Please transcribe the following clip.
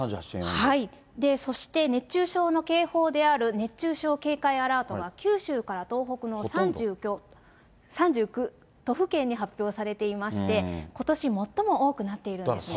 そして、熱中症の警報である熱中症警戒アラートが、九州から東北の３９都府県に発表されていまして、ことし最も多くなっているんですね。